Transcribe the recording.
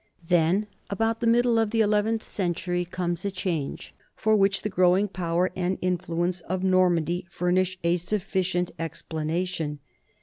Then, about the middle of the eleventh century, comes a change, for which the growing power and in fluence of Normandy furnish a sufficient explanation.